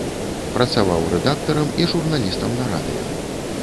Працаваў рэдактарам і журналістам на радыё.